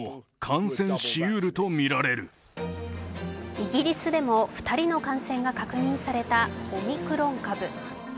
イギリスでも２人の感染が確認されたオミクロン株。